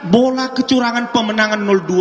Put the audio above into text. bola kecurangan pemenangan dua